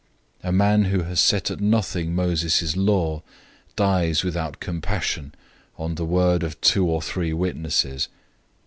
010:028 A man who disregards Moses' law dies without compassion on the word of two or three witnesses.